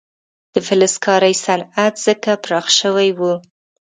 د فلزکارۍ صنعت ځکه پراخ شوی و.